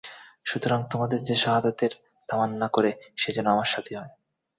সুতরাং তোমাদের যে শাহাদাতের তামান্না করে সে যেন আমার সাথী হয়।